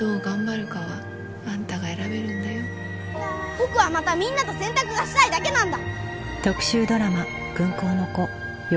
僕はまたみんなと洗濯がしたいだけなんだ！